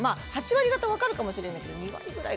８割がた分かるかもしれないですけど。